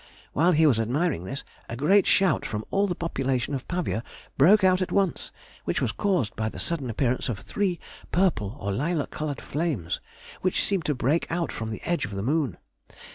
While he was admiring this, a great shout from all the population of Pavia broke out at once, which was caused by the sudden appearance of three purple or lilac coloured flames, which seemed to break out from the edge of the moon.